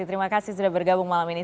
terima kasih sudah bergabung malam ini